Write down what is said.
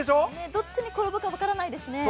どっちに転ぶか分からないですね。